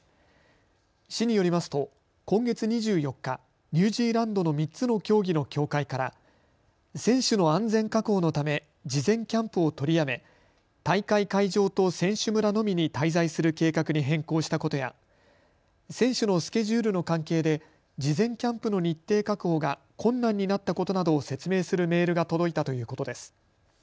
市によりますと今月２４日、ニュージーランドの３つの競技の協会から選手の安全確保のため事前キャンプを取りやめ大会会場と選手村のみに滞在する計画に変更したことや選手のスケジュールの関係で事前キャンプの日程確保が困難になったことなどを説明するメールが届いたということです。